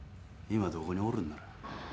今どこにおるんなら？